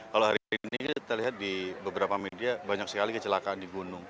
kalau hari ini kita lihat di beberapa media banyak sekali kecelakaan di gunung